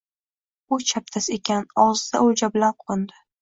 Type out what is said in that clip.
U chapdast ekan – og’zida o’lja bilan qo’ndi.